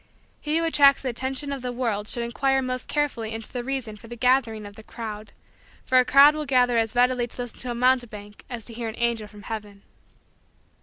He who attracts the attention of the world should inquire most carefully into the reason for the gathering of the crowd; for a crowd will gather as readily to listen to a mountebank as to hear an angel from heaven.